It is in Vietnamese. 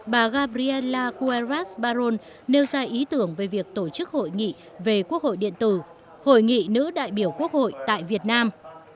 bà gabriela cuevas barón nêu ra ý tưởng về việc tổ chức hội nghị về quốc hội điện tử hội nghị nữ đại biểu quốc hội tại việt nam